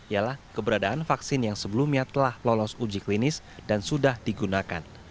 ialah keberadaan vaksin yang sebelumnya telah lolos uji klinis dan sudah digunakan